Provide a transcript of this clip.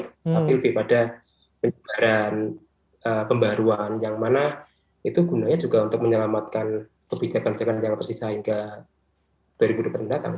tapi lebih pada penyebaran pembaruan yang mana itu gunanya juga untuk menyelamatkan kebijakan kebijakan yang tersisa hingga dua ribu dua puluh mendatang